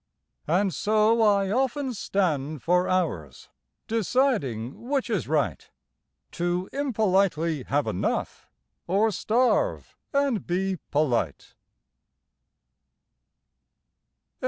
And so I often stand for hours Deciding which is right To impolitely have enough, Or starve and be polite.